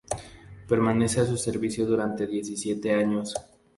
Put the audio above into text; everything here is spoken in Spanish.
Permanece a su servicio durante diecisiete años.